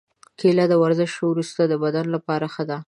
کېله د ورزش وروسته د بدن لپاره ښه ده.